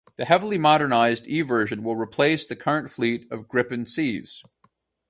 The heavily modernised E version will replace the current fleet of Gripen Cs.